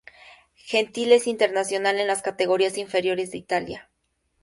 Gentile es internacional en las categorías inferiores de Italia.